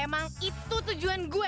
emang itu tujuan gue